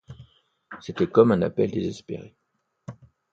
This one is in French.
C’était comme un appel désespéré.